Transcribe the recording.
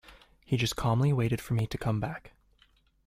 He just calmly waited for me to come back.